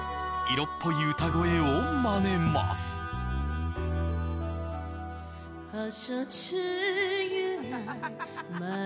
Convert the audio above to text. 色っぽい歌声をまねますハハハハハ